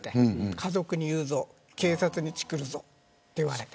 家族に言うぞ警察にチクるぞと言われて。